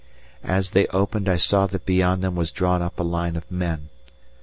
As they opened I saw that beyond them were drawn up a line of men.